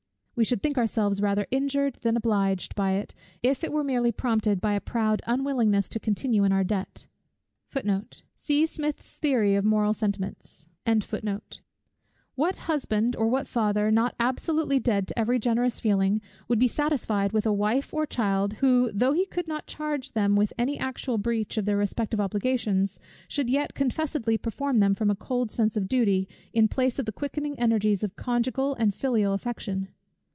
We should think ourselves rather injured than obliged by it, if it were merely prompted by a proud unwillingness to continue in our debt. What husband, or what father, not absolutely dead to every generous feeling, would be satisfied with a wife or a child; who, though he could not charge them with any actual breach of their respective obligations, should yet confessedly perform them from a cold sense of duty, in place of the quickening energies of conjugal, and filial affection?